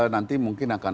nanti mungkin akan